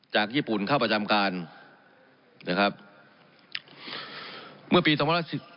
จากญี่ปุ่นเข้าประจำการนะครับเมื่อปีสองพันร้อยสิบ